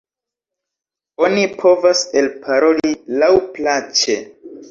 Oni povas elparoli laŭplaĉe.